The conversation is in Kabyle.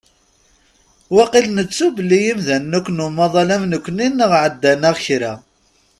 Wakil nettu belli imdanen akk n umaḍal am nekkni neɣ ɛeddan-aɣ kra.